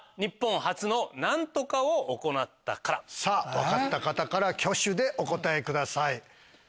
分かった方から挙手でお答えください。